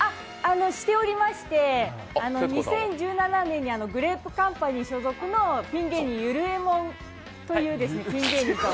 しておりまして２０１７年にグレープカンパニー所属のゆるえもんというピン芸人と。